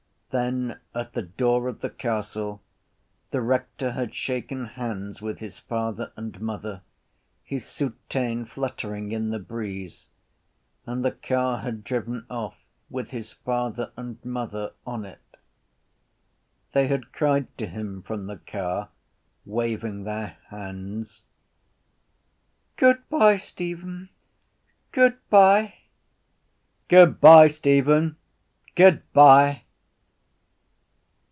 Then at the door of the castle the rector had shaken hands with his father and mother, his soutane fluttering in the breeze, and the car had driven off with his father and mother on it. They had cried to him from the car, waving their hands: —Goodbye, Stephen, goodbye! —Goodbye, Stephen, goodbye!